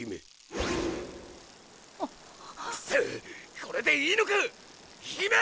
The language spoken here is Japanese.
これでいいのか⁉ヒメ！